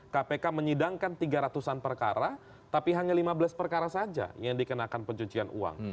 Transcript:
kpk menyidangkan tiga ratus an perkara tapi hanya lima belas perkara saja yang dikenakan pencucian uang